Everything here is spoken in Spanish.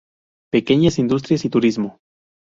Pequeñas industrias y turismo.